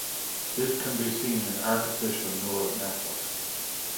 This can be seen in artificial neural networks.